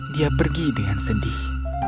dia pergi dengan sedih